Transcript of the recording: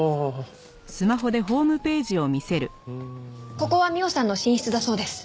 ここは美緒さんの寝室だそうです。